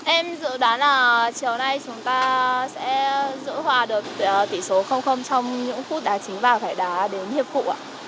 em dự đoán là chiều nay chúng ta sẽ dựa hòa được tỷ số trong những khu đá chính và khải đá đến hiệp vụ